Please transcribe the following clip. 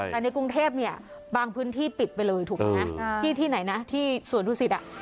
แต่ในกรุงเทพเนี่ยบางพื้นที่ปิดไปเลยถูกไหมที่ไหนนะที่สวนดุสิต